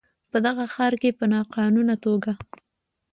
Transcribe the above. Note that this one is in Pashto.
په دغه ښار کې په ناقانونه توګه